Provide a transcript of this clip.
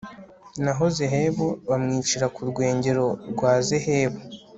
naho zehebu bamwicira ku rwengero rwa zehebu